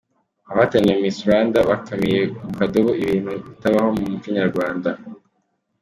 Abahatanira Miss Rwanda bakamiye mu kadobo ibintu bitabaho mu muco nyarwanda.